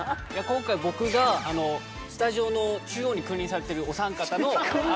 今回僕がスタジオの中央に君臨されているお三方の君臨！？